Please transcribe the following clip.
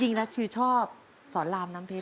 จริงแล้วชื่อชอบสอนรามน้ำเพชร